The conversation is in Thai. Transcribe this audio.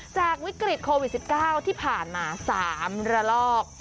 จากวิกฤตโควิด๑๙ที่ผ่านมา๓ระลอก